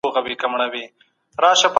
وینې تویې شوې.